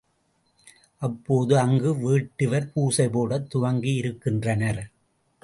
அப்போது அங்கு வேட்டுவர், பூசை போடத் துவங்கியிருக்கின்றனர்.